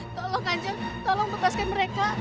tolong kanjeng tolong bekaskan mereka